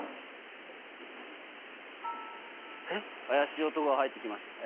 怪しい男が入ってきました。